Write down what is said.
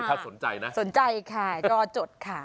ถ้าสนใจนะสนใจค่ะก็จดค่ะ